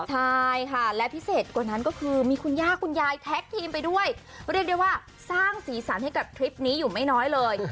ใช่ค่ะและพิเศษกว่านั้นก็คือมีคุณย่าคุณยายแท็กทีมไปด้วยเรียกได้ว่าสร้างสีสันให้กับทริปนี้อยู่ไม่น้อยเลย